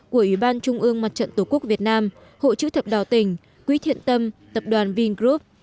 của ủy ban trung ương mặt trận tổ quốc việt nam hộ chữ thập đào tỉnh quý thiện tâm tập đoàn vingroup